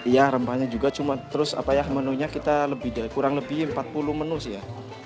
ya rempahnya juga cuma terus apa ya menunya kita kurang lebih empat puluh menu sih ya